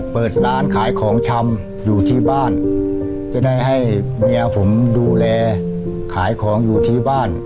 เปิดร้านขายของชำอยู่ที่บ้านจะได้ให้เมียผมดูแลขายของอยู่ที่บ้าน